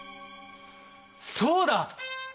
そうだ！